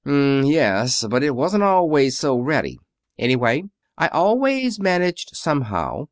"M m m yes. But it wasn't always so ready. Anyway, I always managed somehow.